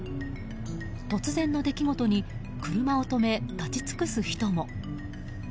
突然の出来事に車を止め、立ち尽くす人も。